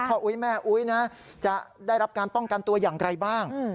อุ๊ยแม่อุ๊ยนะจะได้รับการป้องกันตัวอย่างไรบ้าง